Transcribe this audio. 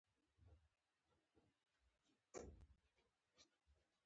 موږ پنځه نفر وو.